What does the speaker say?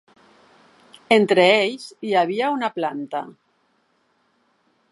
Entre ells, hi havia una planta.